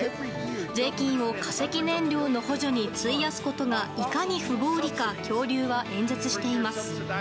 税金を化石燃料の補助に費やすことがいかに不合理か恐竜は演説しています。